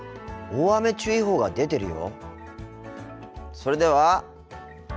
大雨注意報が出てるよ。